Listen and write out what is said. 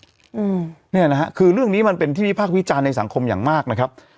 อืมเนี่ยนะฮะคือเรื่องนี้มันเป็นที่วิพากษ์วิจารณ์ในสังคมอย่างมากนะครับ